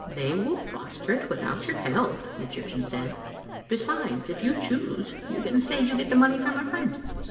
"They will foster it without your help," the Egyp tian said. " Besides, if you choose, you can say you get the money from a friend.